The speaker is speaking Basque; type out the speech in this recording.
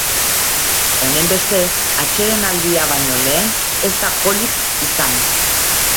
Honenbestez, atsedenaldia baino lehen ez da golik izan.